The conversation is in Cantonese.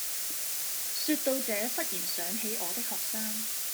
說到這忽然想起我的學生